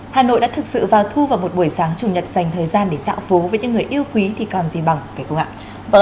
hà nội đã thực sự vào thu vào một buổi sáng chủ nhật dành thời gian để dạo phố với những người yêu quý thì còn gì bằng phải không ạ